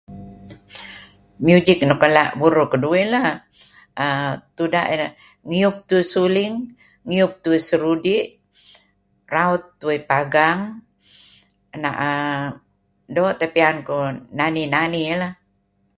Music nuk ela' burur keduih lah tuda' ideh. Ngiyup tuih suling, ngiyup tuih serudi' raut tuih pagang, ena err doo' teh piyan kuh nani-nani lah